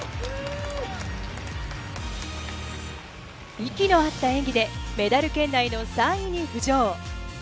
息の合った演技で、メダル圏内の３位に浮上。